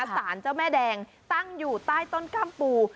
สารเจ้าแม่แดงตั้งอยู่ใต้ต้นกล้ามปู